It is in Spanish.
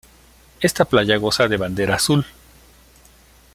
Esta playa goza de bandera azul.